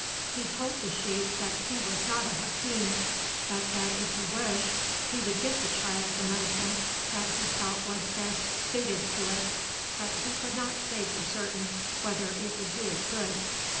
He told the sheik that he was not a Hakim, but that if he wished he would give the child the medicine that he thought was best suited to it, but he could not say for certain whether it would do it good.